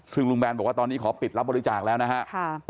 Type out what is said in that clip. ซึ่งลุงแบนบอกว่าตอนนี้ขอปิดรับบริจาคแล้วนะครับ